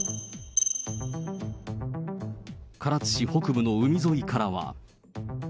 唐津市北部の海沿いからは。